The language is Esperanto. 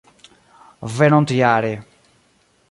venontjare